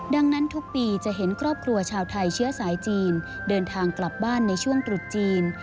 ดังนั้นทุกปีจะเห็นครอบครัวชาวไทยเชื้อสายจีนเดินทางกลับบ้านในช่วงตรุษจีน